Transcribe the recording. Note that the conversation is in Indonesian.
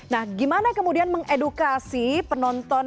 nah gimana kemudian mengedukasi penonton